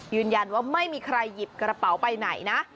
ยืนยันว่าไม่มีใครหยิบกระเป๋าไปไหนนะ